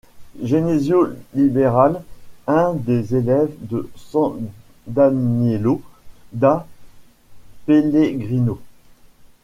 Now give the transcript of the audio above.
Gennesio Liberale, un des élèves de San Danielo da Pellegrino.